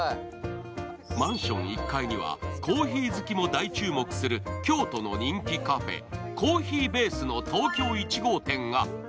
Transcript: マンション１階にはコーヒー好きも大注目する京都の人気カフェ、ＣＯＦＦＥＥＢＡＳＥの東京１号店が。